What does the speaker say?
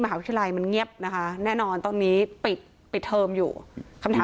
มหาวิทยาลัยมันเงียบนะคะแน่นอนตอนนี้ปิดปิดเทอมอยู่คำถาม